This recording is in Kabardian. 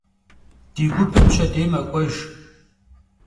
Di gupır pşedêy mek'uejj.